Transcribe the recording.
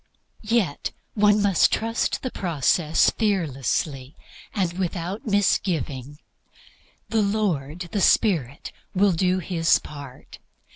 Yet must one trust the process fearlessly and without misgiving. "The Lord the Spirit" will do His part.